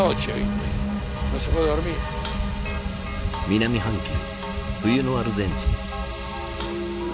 南半球冬のアルゼンチン。